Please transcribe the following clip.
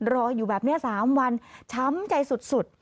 รออยู่แบบนี้๓วันช้ำใจสุด